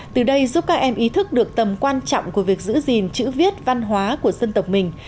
từ đây giúp các em ý thức được tầm quan trọng của việc giữ gìn chữ viết văn hóa của dân tộc mình